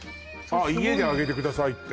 家で揚げてくださいって？